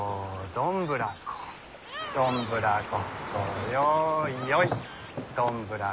どんぶらこどんぶらこ。